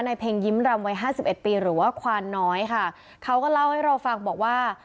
เพลงยิ้มรำวัยห้าสิบเอ็ดปีหรือว่าควานน้อยค่ะเขาก็เล่าให้เราฟังบอกว่า